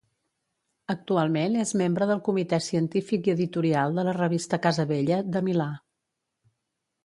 Actualment és membre del comitè científic i editorial de la revista Casabella, de Milà.